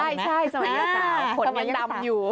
ใช่สมัยยังสาวขนยังดำอยู่